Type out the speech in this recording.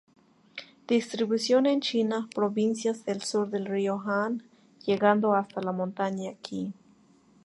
Distribución en China: provincias del sur del río Han, llegando hasta la montaña Qin.